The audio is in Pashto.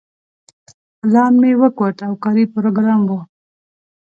پلان مې وکوت او کاري پروګرام و.